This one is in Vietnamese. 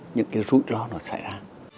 những cái rút lo nó xảy ra